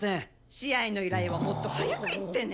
試合の依頼はもっと早く言ってね。